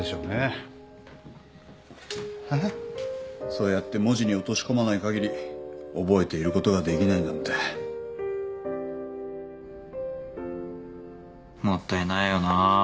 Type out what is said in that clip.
そうやって文字に落とし込まないかぎり覚えていることができないなんて。もったいないよなぁ。